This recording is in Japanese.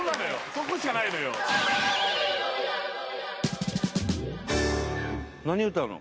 そこしかないのよ何歌うの？